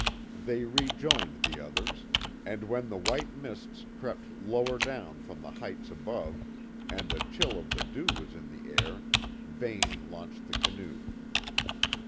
They rejoined the others, and when the white mists crept lower down from the heights above and the chill of the dew was in the air, Vane launched the canoe.